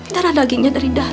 darah dagingnya dari dhani